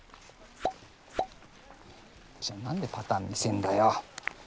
じゃあ何でパターン見せんだよ！